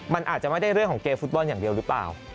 มันอาจจะไม่ได้เรื่องของเกมฟุตบอลอย่างเดียวหรือเปล่า